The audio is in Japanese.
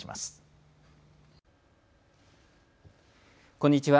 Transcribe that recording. こんにちは。